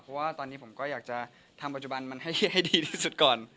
เพราะว่าตอนนี้ผมก็อยากจะทำปัจจุบันมันให้ดีที่สุดก่อน